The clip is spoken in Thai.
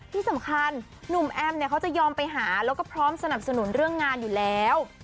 ที่สำคัญหนุ่มแอมเนี่ยเขาจะยอมไปหาแล้วก็พร้อมสนับสนุนเรื่องงานอยู่แล้ว